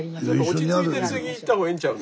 落ち着いて次行った方がいいんちゃう？